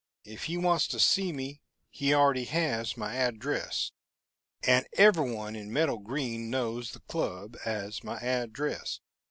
If he wants to see me, he already has my address and everyone in Meadow Green knows the club as my address.